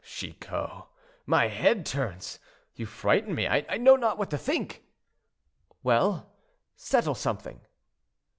"Chicot, my head turns; you frighten me—I know not what to think." "Well! settle something."